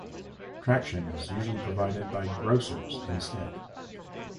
Traction is usually provided by grousers instead.